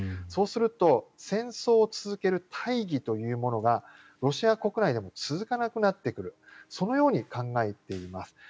そうすると、戦争を続ける大義というものがロシア国内でも続かなくなってくるそのように考えています。